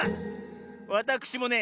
わたくしもね